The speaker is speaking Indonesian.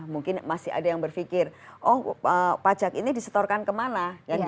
mungkin masih ada yang berpikir oh pajak ini disetorkan kemana